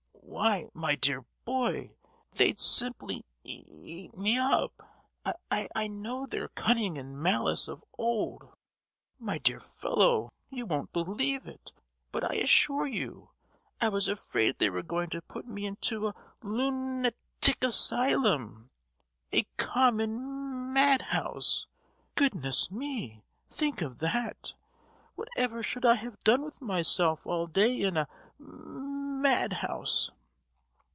"Why, my dear boy, they'd simply ea—eat me up,—I—I know their cunning and malice of old! My dear fellow—you won't believe it—but I assure you I was afraid they were going to put me into a lun—atic asylum! a common ma—ad house! Goodness me, think of that! Whatever should I have done with myself all day in a ma—ad house?"